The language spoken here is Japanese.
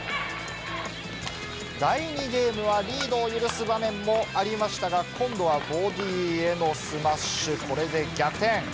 第２ゲームはリードを許す場面もありましたが、今度はボディーへのスマッシュ、これで逆転。